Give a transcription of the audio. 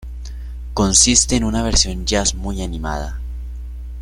Consiste en una versión Jazz muy animada.